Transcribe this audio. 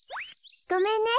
ごめんね。